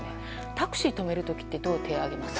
タクシー止める時ってどう手を上げます？